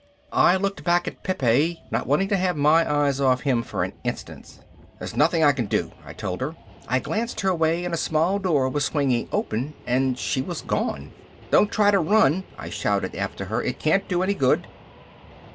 I looked back at Pepe, not wanting to have my eyes off him for an instant. "There's nothing I can do," I told her. I glanced her way and a small door was swinging open and she was gone. "Don't try to run," I shouted after her, "it can't do any good!"